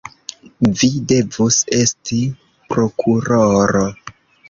Vi devus esti prokuroro!